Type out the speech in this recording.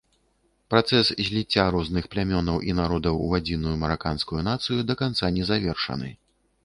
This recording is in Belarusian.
Працэс зліцця розных плямёнаў і народаў у адзіную мараканскую нацыю да канца не завершаны.